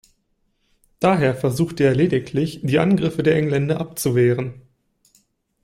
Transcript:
Daher versuchte er lediglich die Angriffe der Engländer abzuwehren.